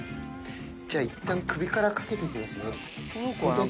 じゃあ、いったん首からかけていきますね。